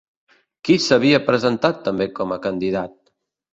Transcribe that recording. Qui s'havia presentat també com a candidat?